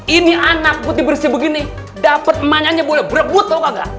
ini anak putri bersih begini dapet emaknya boleh berbut tau gak